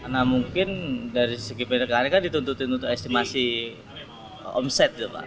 nah mungkin dari segi pendekannya kan dituntutin untuk estimasi omset